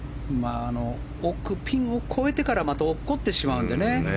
奥、ピンを越えてからまた落っこちてしまうんでね